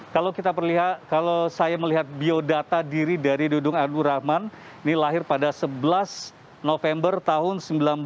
kalau saya melihat biodata diri dari dudung abdurrahman ini lahir pada sebelas november tahun seribu sembilan ratus enam puluh